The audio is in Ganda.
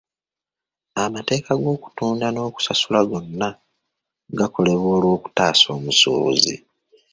Amateeka g'okutunda n'okusasula gonna gakolebwa olw'okutaasa omusuubuzi.